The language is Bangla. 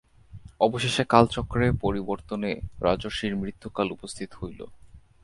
অবশেষে কালচক্রের পরিবর্তনে রাজর্ষির মৃত্যুকাল উপস্থিত হইল।